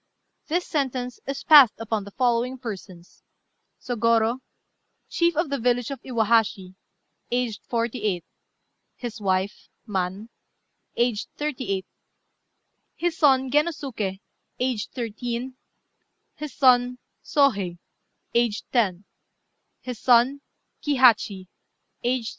"This sentence is passed upon the following persons: "Sôgorô, chief of the village of Iwahashi, aged 48. "His wife, Man, aged 38. "His son, Gennosuké, aged 13. "His son, Sôhei, aged 10. "His son, Kihachi, aged 7."